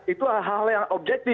itu hal yang objektif